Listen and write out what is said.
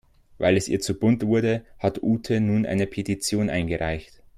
Weil es ihr zu bunt wurde, hat Ute nun eine Petition eingereicht.